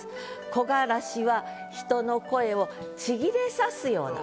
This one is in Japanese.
木枯らしは人の声を千切れさすようだ。